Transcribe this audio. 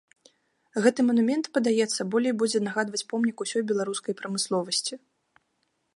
Гэты манумент, падаецца, болей будзе нагадваць помнік усёй беларускай прамысловасці.